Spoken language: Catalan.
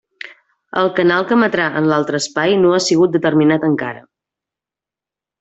El canal que emetrà en l'altre espai no ha sigut determinat encara.